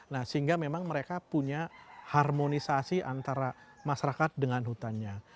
nah sehingga memang mereka punya harmonisasi antara masyarakat dengan hutannya